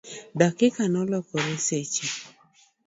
dakika nolokore seche